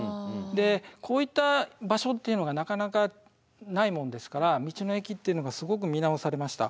こういった場所っていうのがなかなかないもんですから道の駅っていうのがすごく見直されました。